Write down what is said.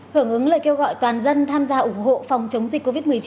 hưởng ứng lời kêu gọi toàn dân tham gia ủng hộ phòng chống dịch covid một mươi chín